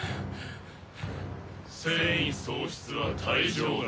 戦意喪失は退場だ。